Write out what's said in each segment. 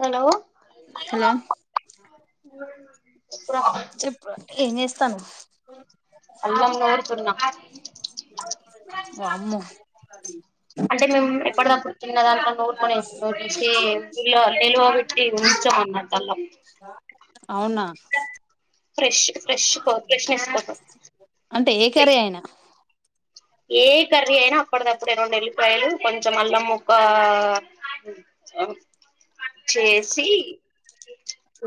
hello hello చెప్పు ఏంచేస్ తను అల్లం నూరుతున్న వామ్మో అంటే మేము ఎప్పటిదప్పుడు చిన్న దాంట్లో నూరుకొని వేసుకుంటాం నిలువ పెట్టి ఉంచం అన్నమాట అల్లం అవునా ఫ్రెష్ ఫ్రెష్ ఫ్రెష్నెస్ కోసం అంటే ఏ తరే అయినా ఏ కర్రీ అయినా అప్పడిదప్పుడే రెండు ఎల్లిపాయలు కొంచెం అల్లం ముక్క చేసి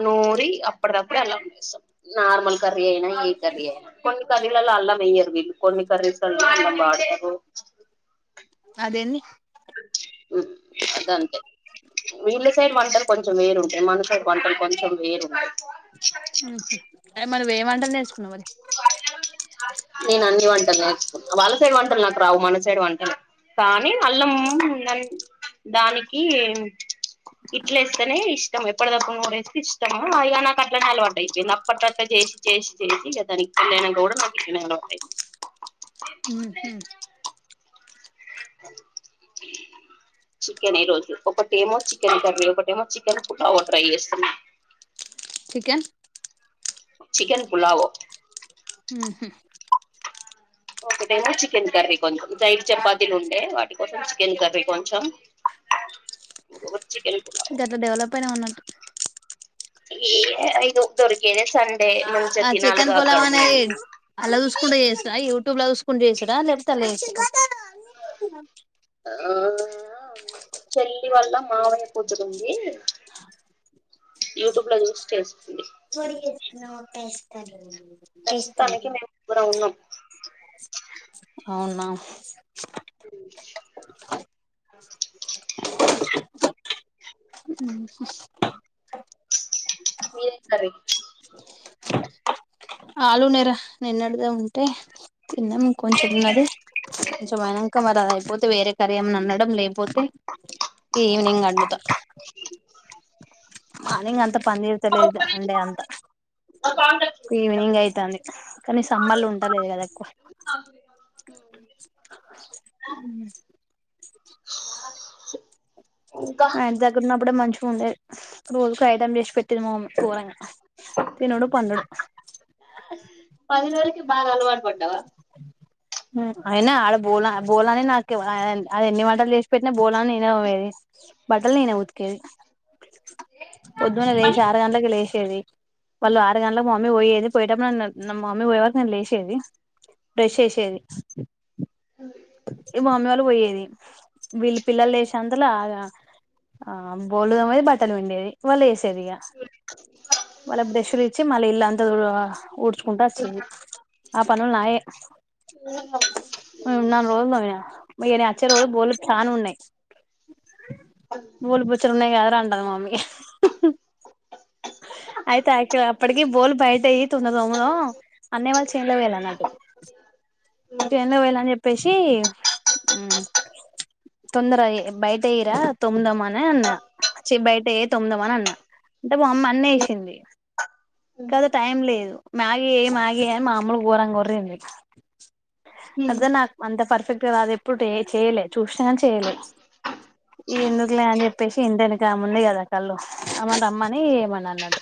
నూరి అప్పడిదప్పుడు అల్లం వేస్తాం నార్మల్ కర్ ఐనా ఏ కర్రీ అయినా కర్రీలల్ల అల్లం వెయ్యరు వీళ్ళు కొన్ని కర్రీస్ లల్ల [inaudible] దేన్నీ అదంతే వీళ్ళ సైడ్ వంటలు కొంచెం వేరుంటాయి మన సైడ్ వంటలు కొంచెం వేరుంటాయి ఊహూ మరివేం వంటలు నేర్చుకున్నావ్ మరి టలు నేర్చుకున్న వాళ్ళ సైడ్ వంటలు నాకు రావు మన సైడ్ వంటలే కానీ అల్లం దానికి ఇట్లేస్తనే ఇష్టం అప్పడిదప్పుడు నూరేస్తే ఇష్టము ఇగ నాకట్లనే అలవాటైయిపోయింది అప్పట్లో అట్లా చేసి చేసి చేసి దానికి పెళ్లి అయినంక కూడా [unintelligible] [unintelligible] ఊహు చికెన్ ఈ రోజు ఒకటేమో చికెన్ కర్రీ ఒకటేమో చికెన్ పులావు ట్రై చేస్తున్నా చికెన్ చికెన్ పులావో ఉహు ఓకే నేను చికెన్ కర్రీ కొంచెం నైట్ చపాతీలు ఉండే వాటి కోసం చికెన్ కర్రీ కొంచెం ఇంకొకటి చికెన్ పులావ్ గట్ల డెవలప్ ఐనవ్ అన్నట్టు ఇఏ ఇదో దొరికేదే సన్ ఆ చికెన్ పొలావా అనేది అల్లా చూసుకుంట చే [unintelligible] యూ టూబ్లో చూస్కుంటా చేసుడా లకపోతె అల్ల చేసుడా ఆ చెల్లి వాల్ల మావయ్య కూతురుంది యూట్యూబ్ లో చూస్ చేస్ [unintelligible] ప్రస్తుతానికి మేము ముగ్గురం ఉన్నాం అవునా మ్ మీదేం కర్రీ ఆలు నెర నిన్నడదే ఉంటే తిన్నాము ఇంక కొంచెం ఉన్నది కొంచెం అయినాక మరి అది అయిపోతే వేరే సరేం నన్నడం లే పోతే ఈవనింగ్ అందుతా మార్నింగ్ అంత పన్ చేత లే ఇగ అంతా ఈవినింగ్ అయితంది కానీ సమ్మర్లు ఉంటలేదు కదా ఎక్ మ్ ఇంకా ఆ ఇంటిదం ఇప్పుడ మంచిగా ఉండ రోజుకు ఐటమ్ తీస్ తిమ కూరంగా తినోడు పండుడు బా అల వండవా అయినా ఆడ బోలా బోలాని నాకు అది ఎన్ని వంటలు వసి పెట్టినా బోలాని నేనే, అవ్వేది బట్టలు నేనే ఉతికేది పొద్దుమనే లేసి ఆరు గంటలకు లేసేది వాళ్ళు ఆరు గంటలకు మమ్మీ పోయేది పోయేటప్పుడు నన్ను నా మమ్మీ పోయేవరకు నన్ను లేషేది బ్రష్ చేసేది ఈ మామ్మీ వాళ్ళు పొయ్యేది వీళ్ళు పిల్లలు లేసే అంతలాగా ఆ బోలుదోమేమ్సది బట్టలు పిం వాళ్ళ బ్రష్ లిచ్చి మళ్ళ ఇల్లంతా తుడువ ఊడ్చుకుంటా అచ్చింది అప్ [unintelligible] అనున్నాయి బూలు బొచ్చరున్నాయి కదరా టది మమ్మీ అయితే ఐపొ అప్పటికీ బోలు బయటెయ్యి [inaudible] తోమదో అన్నయ్య వాళ్ళ చేనులో ట్రైన్లో పొయినా అని చెప్పేసి ఉమ్ తొందర బయట ఏయ్ రా తోముదామాన్ నే అన్నా చె బయటెయ్యి తొమ్దాం అని అన్నా అంటే మా అమ్మ అన్ని ఏసింది కద టైం లేదు మ్యాగీ ఏ మ్యాగీ మామ్మలు ఓరంగ ఉర్రింది అద్దు నాక్ అంత పర్ పర్ఫెక్ట్ గారాదు ఎప్పుడు చేయలే చూసినా గాని చేయలే ఈ ఎందుకులే అని చెప్పేసి ఇంటెనక ఆముంది కదా కళ్ళు అమని రమ్మని చేయమని అన్నట్టు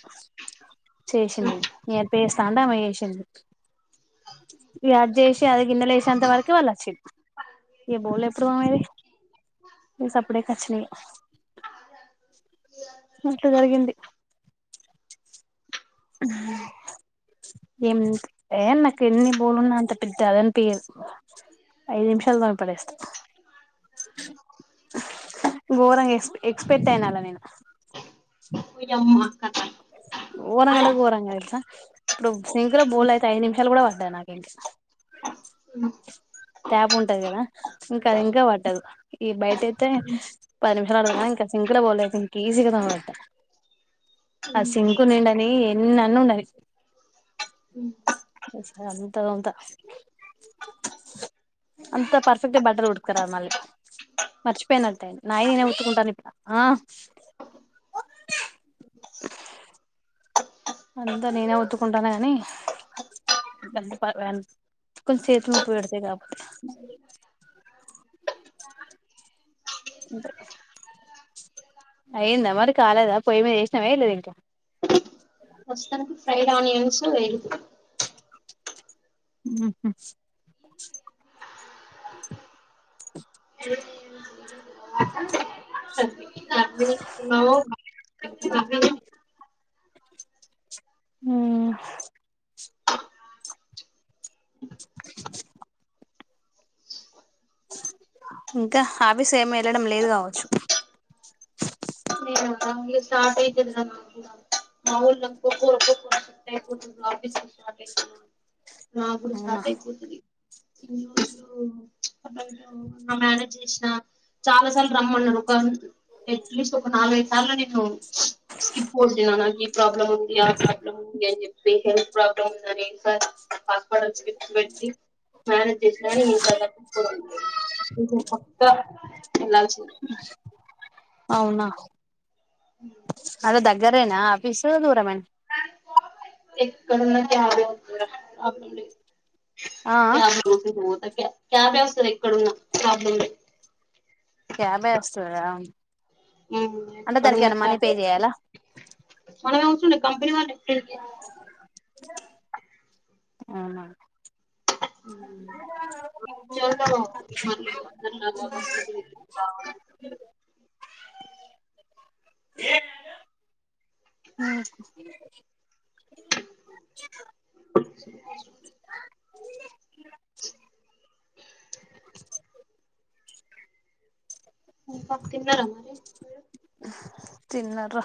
చేసింది ఏడ్ పేస్తాంది ఆమె చేసింది అద్చేసి అది గిన్నెలు వేసేంత వరకే వాళ్ళు వచ్చిళ్ళు ఇగ బోల్లు ఎప్పుడు తోమేది ఇగ సప్పుడేక వచ్చినిగ అంత జరిగింది ఎమ్ ఎ నాకు ఎన్ని బోలున్నా అంత పెద్ద అదనిపియ్యదు ఐదు నిమిషాలో తోమి పడేస్తా ఘోరంగా ఎక్ ఎక్స్పెక్ట్ అయిన అల్ల నేను ఘోరంగంటే ఘోరంగా తెల్సా ఇప్పుడు సింక్లో బోల్ళు అయితే ఐదు నిమిషాలు కూడా పట్టదు నాకు అయితే అ ట్యాప్ ఉంటది కదా ఇంకా అది ఇంకా పట్టదు ఈ బయట అయితే పది నిమిషాలు పడతది కానీ ఇంకా సింకులో బోల్లైతే ఇంకా ఈజీగా తోమేట్ట ఆ సింకు నిండా ఎన్నన్న ఉండని అంత తోమ్తా, అంత పర్ఫెక్ట్గా బట్టల్ ఉతకరాదు మళ్ళీ మర్చిపోయినట్టైనా నాయి నేనే ఉతుకుంటాను ఇట్లా అంతా నేనే ఉతుకుంటానా కానీ కొంచెం చేతి నొప్పి పెడతాయి కాకపోతే అయ్యిందా మరి కాలేదా పొయ్యి మీద వెసినావా వెయలేదా ఇంకా ప్రస్తుతానికి ఫ్రైడ్ ఆనియన్స్ వేగుతున్ ఉహూ నో అ ఇంకా ఆఫీస్ ఏమి వెళ్ళడం లేదు కావచ్చు ఇగ స్టార్ట్ అయితది రా నాకుడా మా ఊర్లా [unintelligible] ఆఫీసు నాకూడా అవునా స్టార్ట్ అయిపోతది ఇన్ని రోజులు అటో ఇటో మ్యానేజ్ చేసిన చాలా సార్లు రమ్మన్నడు ఒక ఎట్లీస్ట్ ఒక నాల్గైదు అళ్ళనే స్కిప్ కోట్టిన నాకు ఈ ప్రాబ్లమ్ ఉంది ఆ ప్రాబ్లమ్ ఉంది అని చెప్పి హెల్త్ ప్రాబ్లమ్ ఉందిని సర్ ఒక్కరోజ్ స్కిప్ పెట్టి మ్యానేజ్ చేసిన కాని [unintelligible] పక్క వెళ్లాల్సిందే అవునా అదే దగ్గరేనా ఆఫీసు దూరమా ఎక్కడున్న [unintelligible] ఆ [unintelligible] క్యాబేవస్తది ఎక్కడున్నా కబ్య్లా క్యాబే వస్తాదా ఉమ్ ఎక్కడున్నదో ఆటో చేయాలా మన కాగు కంపెనీ వాళ్ళే ఇక్కడికే ఆహా [inaudible] ఉమ్ ఇంకా తిన్నర మరి మీరు తిన్నార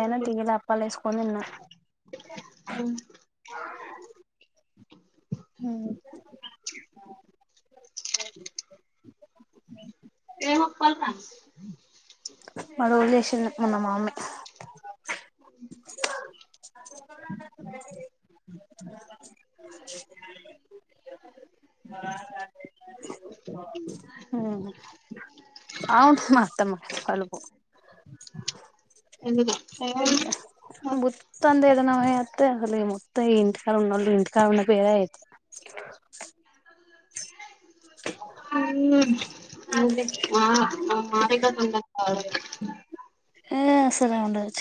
అయినా తిగిలి అప్పాల వేసుకొని తిన్నా అవు ఎమప్పల్ తన్ మరో ఉళ్ష ఉన్న మామ [inaudible] అవును మా అత్తమ్మ కలుపు ఎందుకు [unintelligible] బూత్తొందేద్ ఇ నావ అతే అ మొత్త ఇంటిట్ క ఇంటి క బేర అయితే హ్మ్ హ మా దగ్గర హ [unintelligible] ర ఉండచ్చ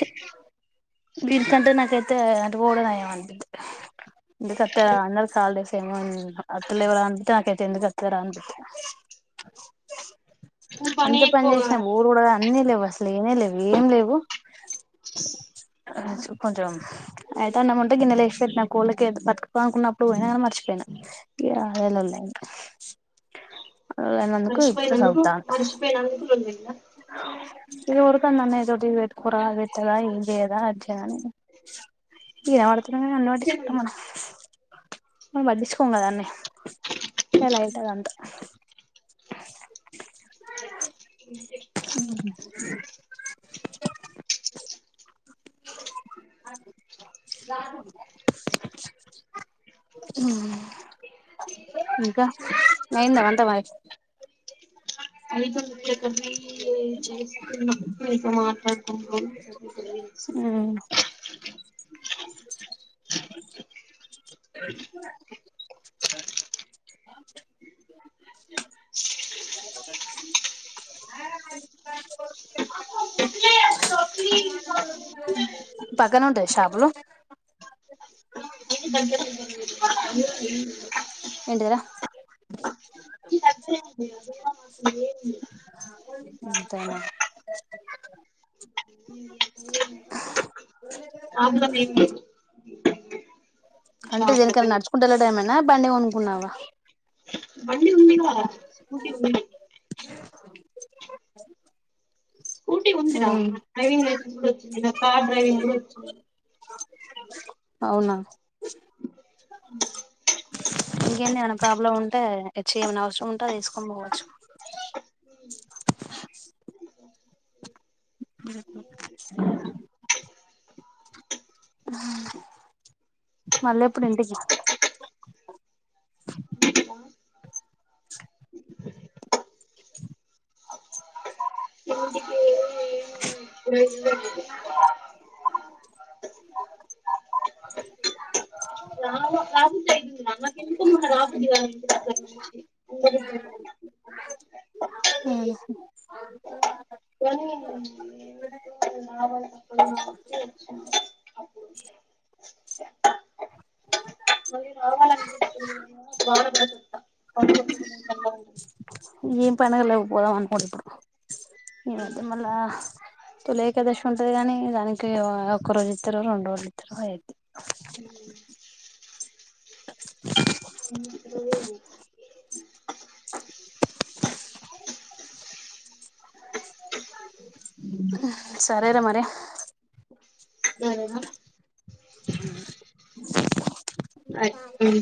వీనికంటే నాకైతే పొడం నయం వంది ఇ సత అన్న కాాలే తెమన్ అట్లేవ అంది తక ఎందుకుస్తార అనుపి నువ్వు అంత పని ఎక్కువగా చేసినా ఊరు కూడా అన్నీ లేవు అసలు ఏనే లేవు ఏం లేవు అ చెకుంచం అయితే అన్నం ఉంటే గిన్నెలో వచసి పెట్టి కోళ్ళకి బతుకపో అనుకున్నప్పుడు పోయినా కానీ మర్చిపోయినాను ఇ అవేలా ఉన్నాయియండి మరిచిపోయినందుకు సదువుతాను మరిచిపోయినందుకు రొండు [unintelligible] [unintelligible] ందన్న ఏటి పెట్టుకూర విట్టదా ఇదేదా అజని ఇరవడతు కన్నుటిచ్చుకుట్టామన్న మనం పట్టిచుకో కదనే నెల అయితడంట హ్మ్ హు హ్మ్ ఇంక అయిందా వంట మరి అయితున్నది చేస్తు ఇంకా మాట్లాడుతుంటాం ఉమ్ [unintelligible] స [inaudible] పక్కన ఉంటాయి షాపులు [inaudible] అ [inaudible] దగ్గరే ఉంది కదా [inaudible] అంతేనా ల పల అంటే దేనికన్నా నడుచుకుంటూ వెళ్ళటమేనా [inaudible] బండి కొనుకున్నావా బ ఉందిద కు ఉ [inaudible] [inaudible] స్కూటీ ఉందిరా ఉమ్ డ్రైవింగ్ లైసెన్స్ కూడా వచ్చంది ఇంకా కార్ డ్రైవింగ్ కూడా వచ్చు అవునా [inaudible] ఇంకేంది ఏమైనా ప్రాబ్లం ఉంటే ఎచ్చ చేయమను అవసరం ఉంటె అట్టా తీసుకొని పోవచ్చు [inaudible] ఆ [inaudible] మళ్ళేప్పుడు ఇంటికి అ [inaudible] [inaudible] [inaudible] ఇ [inaudible] [inaudible] పుదు నాకు ఎందుకు మ రాపుటి [inaudible] అ వల్ అప్పుడు [inaudible] - [inaudible] ఏం పండుగల్ లేవ్ పోదాం అనుకుంటే ఈ మధ్య మళ్ళ తొలి ఏకాదశి ఉంటది కాని దానికి ఒక రోజు ఇద్దరు రెండు రోజులిద్దరు అయిద్ది అ [inaudible] ఏ [inaudible] సరేరా మరి సరేనా [inaudible] బాయ్